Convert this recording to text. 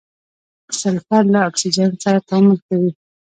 سلفر له اکسیجن سره تعامل کوي.